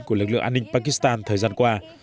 của lực lượng an ninh pakistan thời gian qua